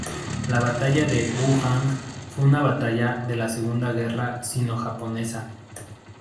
La batalla de Wuhan fue una batalla de la Segunda guerra sino-japonesa.